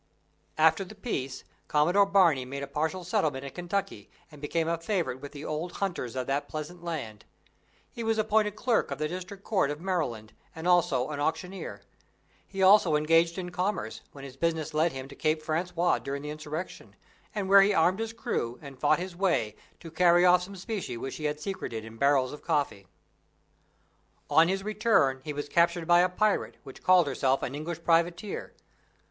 After the peace, Commodore Barney made a partial settlement in Kentucky, and became a favorite with the old hunters of that pleasant land. He was appointed Clerk of the District Court of Maryland, and also an auctioneer. He also engaged in commerce, when his business led him to Cape Francois during the insurrection, and where he armed his crew, and fought his way, to carry off some specie which he had secreted in barrels of coffee. On his return he was captured by a pirate, which called herself an English privateer.